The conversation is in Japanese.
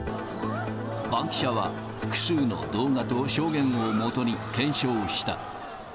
バンキシャは複数の動画と証言をもとに検証した。